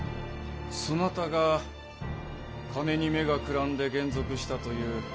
そなたが金に目がくらんで還俗したという。